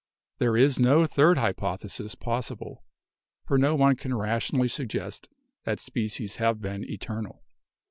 There is no third hypothesis possible; for no one can rationally suggest that species have been eternal.